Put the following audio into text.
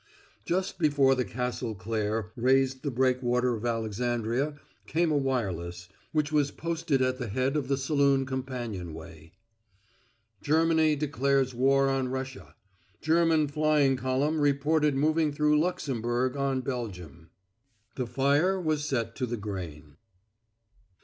Just before the Castle Claire raised the breakwater of Alexandria came a wireless, which was posted at the head of the saloon companionway: "Germany declares war on Russia. German flying column reported moving through Luxemburg on Belgium." The fire was set to the grain.